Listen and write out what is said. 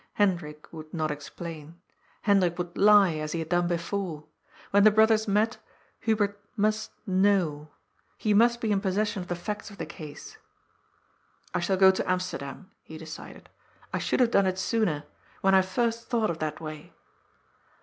Hendrik would * not explain. Hendrik would lie, as he had done before. When the brothers met, Hubert must kno^v. He must be in possession of the facts of the case. " I shall go to Amsterdam," he decided. " I should have done it sooner. When I first thought of that way."